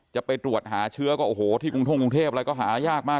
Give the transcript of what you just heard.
จะไปตรวจหาเชื้อก็โอ้โหที่กรุงท่งกรุงเทพอะไรก็หายากมาก